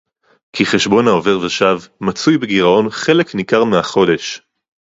כי חשבון העובר-ושב מצוי בגירעון חלק ניכר מהחודש